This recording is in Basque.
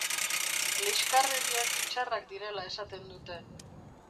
lixkarerriak txarrak direla esaten dute.